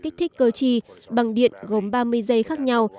các cảm biến có kích thích cơ trì bằng điện gồm ba mươi giây khác nhau